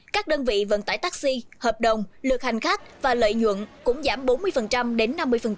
các đơn vị vận tải taxi hợp đồng lượt hành khách và lợi nhuận cũng giảm bốn mươi đến năm mươi